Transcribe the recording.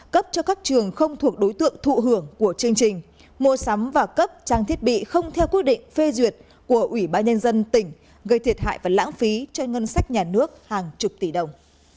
cấp cho các trường không thuộc đối tượng thụ hưởng của chương trình mua sắm và cấp trang thiết bị không theo quyết định phê duyệt của ủy ban nhân dân tỉnh gây thiệt hại và lãng phí cho ngân sách nhà nước hàng chục tỷ đồng